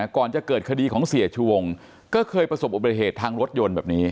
ก่อนจะเกิดคดีของเสียชูวงก็เคยประสบอุบัติเหตุทางรถยนต์แบบนี้